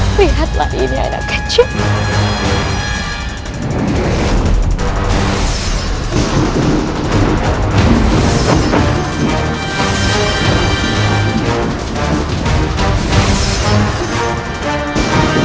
lihatlah ini anak kecil